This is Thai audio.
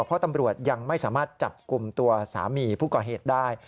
เพราะตำรวจยังไม่สามารถจับกลุ่มตัวสามีผู้ก่อเหตุได้